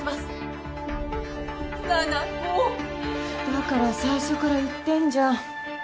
だから最初から言ってんじゃん。